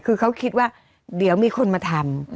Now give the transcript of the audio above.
คือเขาคิดว่าเดี๋ยวมีคนมาทำ